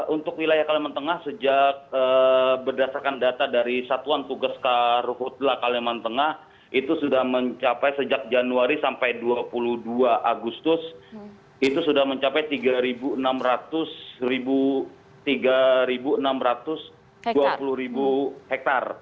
untuk wilayah kalimantan tengah sejak berdasarkan data dari satuan tugas karhutla kalimantan tengah itu sudah mencapai sejak januari sampai dua puluh dua agustus itu sudah mencapai tiga enam ratus tiga enam ratus dua puluh hektare